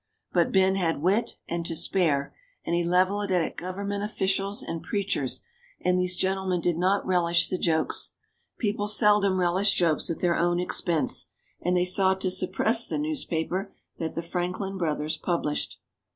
But Ben had wit and to spare, and he leveled it at government officials and preachers, and these gentlemen did not relish the jokes people seldom relish jokes at their own expense and they sought to suppress the newspaper that the Franklin brothers published.